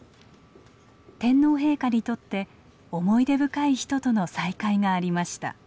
天皇陛下にとって思い出深い人との再会がありました。